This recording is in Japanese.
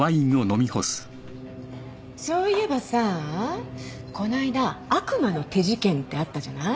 そういえばさこないだ悪魔の手事件ってあったじゃない？